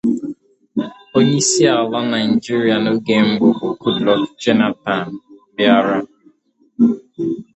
Oge onyeisiala Nigeria n'oge mbụ bụ Goodluck Jonathan bịara